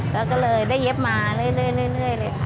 แล้วก็เลยได้เย็บมาเรื่อยเลยค่ะ